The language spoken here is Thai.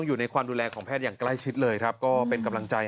นี่นี่นี่นี่นี่นี่นี่นี่นี่นี่นี่